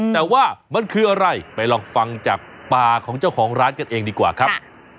แต่ว่ามันคืออะไรไปลองฟังจากปากของเจ้าของร้านกันเองดีกว่าครับ